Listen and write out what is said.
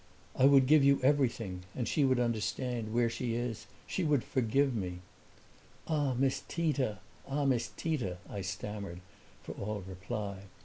"I would give you everything and she would understand, where she is she would forgive me!" "Ah, Miss Tita ah, Miss Tita," I stammered, for all reply.